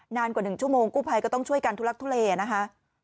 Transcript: นานกว่า๑ชั่วโมงกู้ภัยก็ต้องช่วยกันทุลักทุเลนะคะ